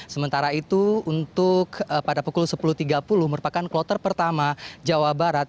sementara itu untuk pada pukul sepuluh tiga puluh merupakan kloter pertama jawa barat